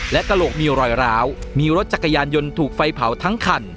และกระโหลกมีรอยร้าวมีรถจักรยานยนต์ถูกไฟเผาทั้งคัน